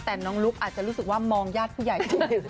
แต่น้องลุ๊กอาจจะรู้สึกว่ามองญาติผู้ใหญ่ด้วย